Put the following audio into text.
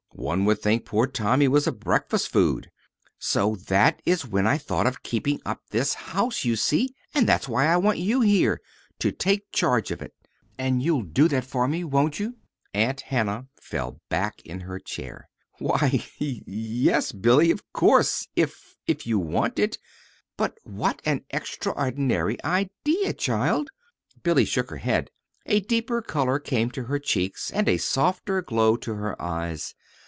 One would think poor Tommy was a breakfast food! So that is when I thought of keeping up this house, you see, and that's why I want you here to take charge of it. And you'll do that for me, won't you?" Aunt Hannah fell back in her chair. "Why, y yes, Billy, of course, if if you want it. But what an extraordinary idea, child!" Billy shook her head. A deeper color came to her cheeks, and a softer glow to her eyes.